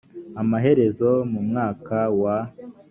amaherezo mu mwaka wa